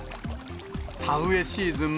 田植えシーズン